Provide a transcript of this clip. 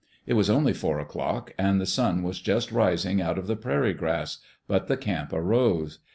It was only four o'clock and the sun was just rising out of the prairie grass, but the camp arose.